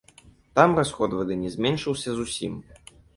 Там расход вады не зменшыўся зусім.